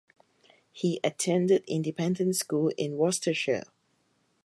He attended independent school in Worcestershire.